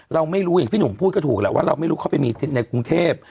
เราไม่รู้อย่างพี่หนุ่มพูดก็ถูกแหละว่าเราไม่รู้เขาไปมีในกรุงเทพ